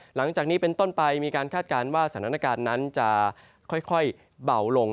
หลังจากนี้เป็นต้นไปมีการคาดการณ์ว่าสถานการณ์นั้นจะค่อยเบาลง